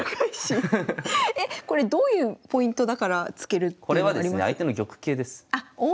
えっこれどういうポイントだから突けるっていうのあります？